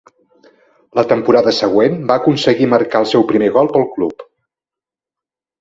La temporada següent va aconseguir marcar el seu primer gol pel club.